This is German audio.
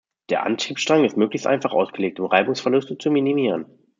Der Antriebsstrang ist möglichst einfach ausgelegt, um Reibungsverluste zu minimieren.